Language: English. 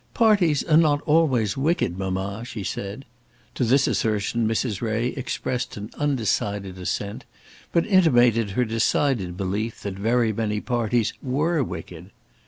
"Parties are not always wicked, mamma," she said. To this assertion Mrs. Ray expressed an undecided assent, but intimated her decided belief that very many parties were wicked.